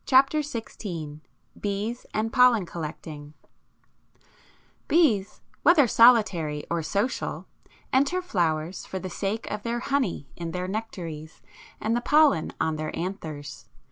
BEES AND POLLEN COLLECTING Bees whether solitary or social enter flowers for the sake of the honey in their nectaries and the pollen on their anthers.